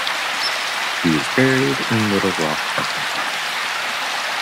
He was buried in Little Rock, Arkansas.